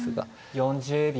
４０秒。